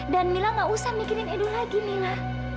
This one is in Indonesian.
dan mila nggak usah mikirin edo lagi mila